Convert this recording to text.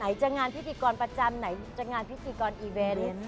จะงานพิธีกรประจำไหนจะงานพิธีกรอีเวนต์